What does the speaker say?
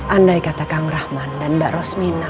andai kata kang rahman dan mbak rosmina